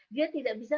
dia tidak bisa